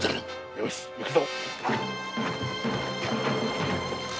よし行くぞ。